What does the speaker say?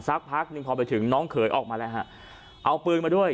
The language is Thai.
สักพักหนึ่งพอไปถึงน้องเขยออกมาแล้วฮะเอาปืนมาด้วย